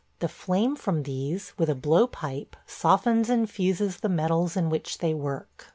The flame from these, with a blowpipe, softens and fuses the metals in which they work.